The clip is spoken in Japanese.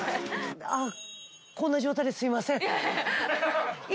あっこんな状態ですいません